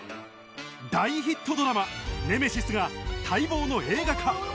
大ヒットドラマ『ネメシス』が待望の映画化